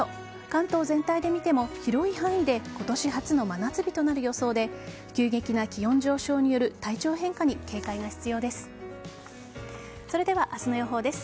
関東全体で見ても広い範囲で今年初の真夏日となる予想で急激な気温上昇による体調の変化に警戒が必要です。